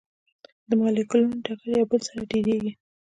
د مالیکولونو ټکر یو بل سره ډیریږي.